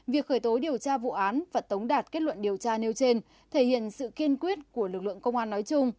việc khởi tối điều tra vụ án và tống đạt kết luận điều tra nêu trên thể hiện sự kiên quyết của lực lượng công an nói chung